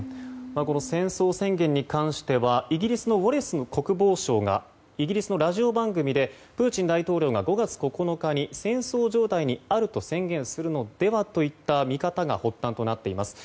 戦争宣言に関してはイギリスのウォリス国防相がイギリスのラジオ番組でプーチン大統領が５月９日に戦争状態にあると宣言するのではといった見方が発端となっています。